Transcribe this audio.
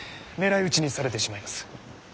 狙い撃ちにされてしまいます。